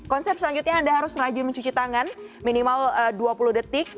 konsep selanjutnya anda harus rajin mencuci tangan minimal dua puluh detik